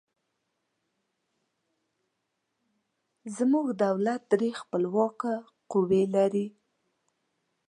زموږ دولت درې خپلواکه قوې لري.